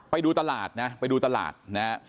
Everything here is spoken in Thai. ไปดูตลาดนะไปดูตลาดนะฮะ